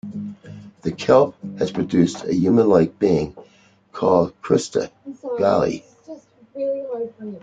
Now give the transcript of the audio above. The kelp has produced a human-like being, called Crista Galli.